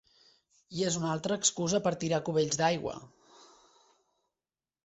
I és una altra excusa per tirar cubells d'aigua!